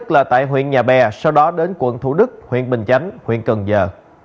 là tại huyện nhà bè sau đó đến quận thủ đức huyện bình chánh huyện cần giờ